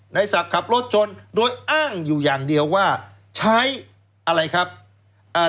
ในศักดิ์ขับรถชนโดยอ้างอยู่อย่างเดียวว่าใช้อะไรครับอ่า